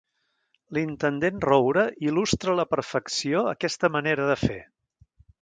L'intendent Roure il·lustra a la perfecció aquesta manera de fer.